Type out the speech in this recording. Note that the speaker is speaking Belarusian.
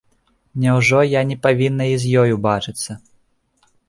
Няўжо я не павінна і з ёю бачыцца?